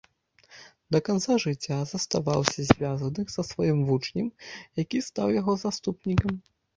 Да канца жыцця заставаўся звязаных са сваім вучнем, які стаў яго заступнікам.